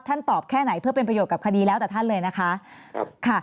ท่านตอบแค่ไหนเพื่อเป็นประโยชน์กับคดีแล้วแต่ท่านเลยนะคะ